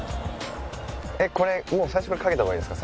これ最初からかけた方がいいですか？